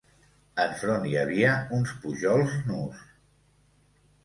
Enfront hi havia uns pujols nus